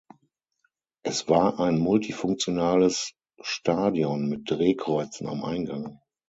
Es war ein multifunktionales Stadion mit Drehkreuzen am Eingang.